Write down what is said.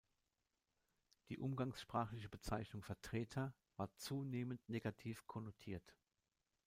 Die umgangssprachliche Bezeichnung „Vertreter“ war zunehmend negativ konnotiert.